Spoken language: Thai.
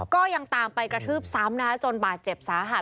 ก็ยังตามไปกระทืบซ้ำนะจนบาดเจ็บสาหัส